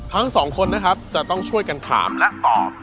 ทั้งสองคนนะครับจะต้องช่วยกันถามและตอบ